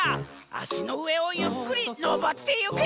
あしのうえをゆっくりのぼってゆけ！